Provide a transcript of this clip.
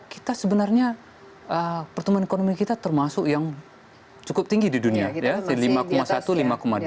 kita sebenarnya pertumbuhan ekonomi kita termasuk yang cukup tinggi di dunia